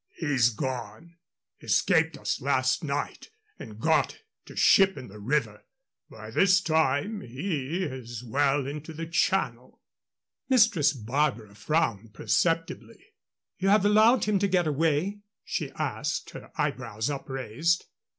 "He's gone. Escaped us last night and got to ship in the river. By this time he is well into the Channel." Mistress Barbara frowned perceptibly. "You have allowed him to get away?" she asked, her eyebrows upraised.